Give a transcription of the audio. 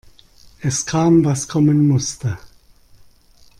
Es kam, was kommen musste.